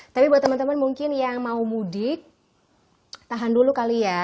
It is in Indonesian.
tapi buat teman teman mungkin yang mau mudik tahan dulu kali ya